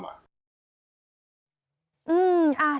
ยืนยันก็ต้องเอามา